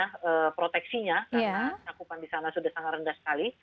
karena sakupan di sana sudah sangat rendah sekali